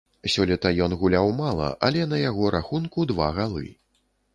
Сёлета ён гуляў мала, але на яго рахунку два галы.